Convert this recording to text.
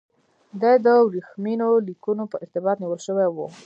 دی د ورېښمینو لیکونو په ارتباط نیول شوی و.